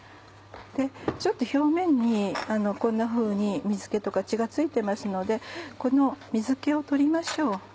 ちょっと表面にこんなふうに水気とか血が付いてますのでこの水気を取りましょう。